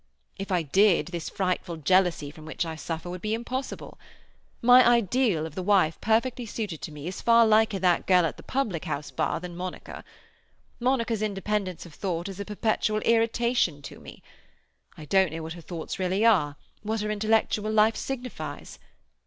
If I did, this frightful jealousy from which I suffer would be impossible. My ideal of the wife perfectly suited to me is far liker that girl at the public house bar than Monica. Monica's independence of thought is a perpetual irritation to me. I don't know what her thoughts really are, what her intellectual life signifies.